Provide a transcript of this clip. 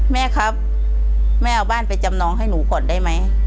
แม่ครับแม่เอาบ้านไปจำนองให้หนูก่อนได้ไหม